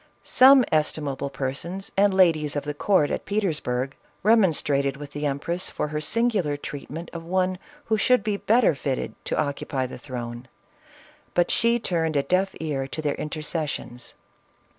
Some estimable persons, and ladies of the court at Petersburg, remonstrated with the empress for her singular treatment of one who should be better fitted to occupy the throne, but she turned a deaf ear to their intercessions.